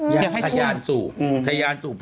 อยากให้ทะยานสู่ทะยานสู่